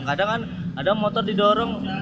kadang kan ada motor didorong